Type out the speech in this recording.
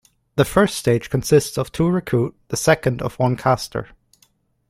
The first stage consists of two Recruit, the second of one Castor.